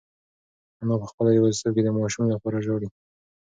انا په خپله یوازیتوب کې د ماشوم لپاره ژاړي.